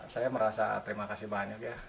saya merasa terima kasih banyak ya